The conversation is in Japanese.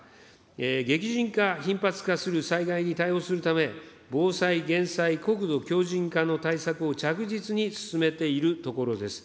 激甚化、頻発化する災害に対応するため、防災・減災・国土強じん化の対策を着実に進めているところです。